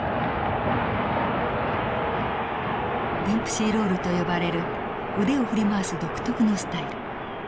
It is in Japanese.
デンプシー・ロールと呼ばれる腕を振り回す独特のスタイル。